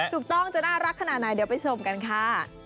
ถูกต้องจะน่ารักขนาดไหนเดี๋ยวไปชมกันค่ะ